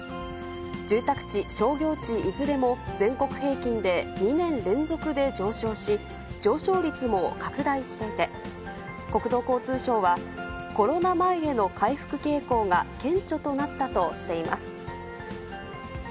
住宅地、商業地いずれも全国平均で２年連続で上昇し、上昇率も拡大していて、国土交通省は、コロナ前への回復傾向が顕著となったとしています。